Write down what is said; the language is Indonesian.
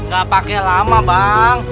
gapake lama bang